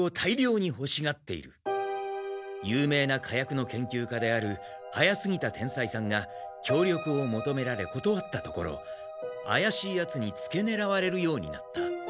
有名な火薬の研究家である早すぎた天才さんが協力をもとめられことわったところあやしいヤツにつけねらわれるようになった。